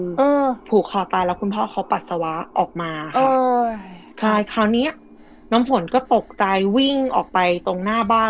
อืมผูกคอตายแล้วคุณพ่อเขาปัสสาวะออกมาครับเออใช่คราวเนี้ยน้ำฝนก็ตกใจวิ่งออกไปตรงหน้าบ้าน